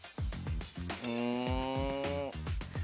うん。